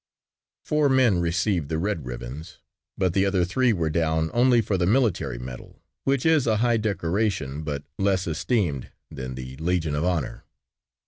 Four men received the red ribbons, but the other three were down only for the military medal which is a high decoration but less esteemed than the Legion of Honor.